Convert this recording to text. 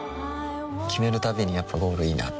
決めるたびにやっぱゴールいいなってふん